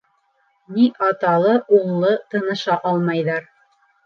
Ни аталы-уллы тыныша алмайҙар.